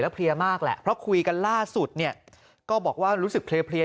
เพลียมากแหละเพราะคุยกันล่าสุดเนี่ยก็บอกว่ารู้สึกเพลีย